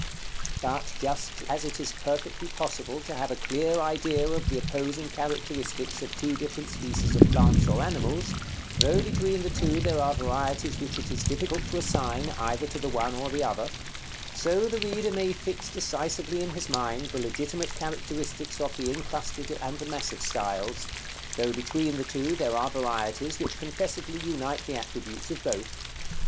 But just as it is perfectly possible to have a clear idea of the opposing characteristics of two different species of plants or animals, though between the two there are varieties which it is difficult to assign either to the one or the other, so the reader may fix decisively in his mind the legitimate characteristics of the incrusted and the massive styles, though between the two there are varieties which confessedly unite the attributes of both.